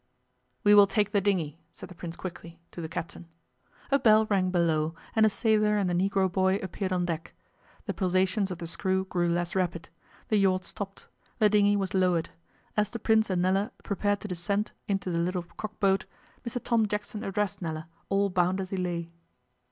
'We will take the dinghy,' said the Prince quickly, to the captain. A bell rang below, and a sailor and the Negro boy appeared on deck. The pulsations of the screw grew less rapid. The yacht stopped. The dinghy was lowered. As the Prince and Nella prepared to descend into the little cock boat Mr Tom Jackson addressed Nella, all bound as he lay.